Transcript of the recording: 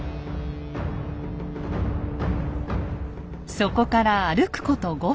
そこから歩くこと５分。